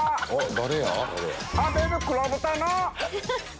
誰や？